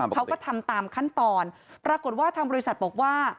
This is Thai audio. เขาก็ทำตามขั้นตอนปรากฏว่าทางบริษัทบอกว่า